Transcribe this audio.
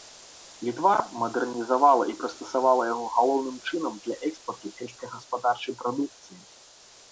Літва мадэрнізавала і прыстасавала яго галоўным чынам для экспарту сельскагаспадарчай прадукцыі.